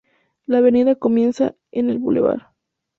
La avenida comienza en el Bv.